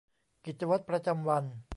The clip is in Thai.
กิจวัตรประจำวัน